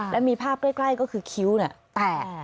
และมีภาพใกล้ก็คือคิ้วแตก